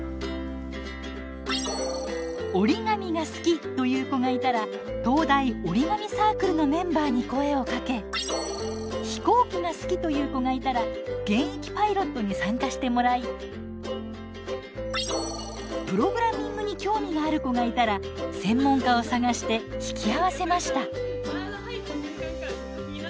折り紙が好きという子がいたら東大折り紙サークルのメンバーに声をかけ飛行機が好きという子がいたら現役パイロットに参加してもらいプログラミングに興味がある子がいたら専門家を探して引き合わせました。